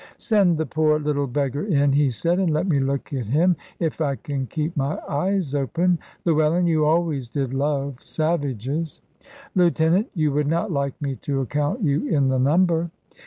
"Send the poor little beggar in," he said, "and let me look at him, if I can keep my eyes open. Llewellyn, you always did love savages." "Lieutenant, you would not like me to account you in the number."